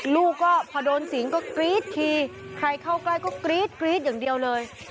ลูกก็พอโดนสิงก็กรี๊ดทีใครเข้าใกล้ก็กรี๊ดกรี๊ดอย่างเดียวเลย